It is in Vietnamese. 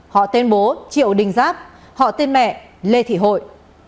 họ tên bố triệu đình giáp họ tên mẹ lê thị hội